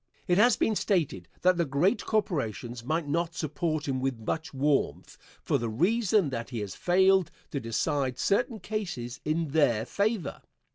It has been stated that the great corporations might not support him with much warmth for the reason that he has failed to decide certain cases in their favor.